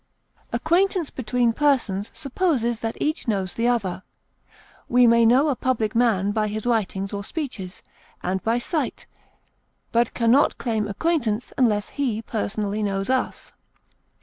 Acquaintance between persons supposes that each knows the other; we may know a public man by his writings or speeches, and by sight, but can not claim acquaintance unless he personally knows us.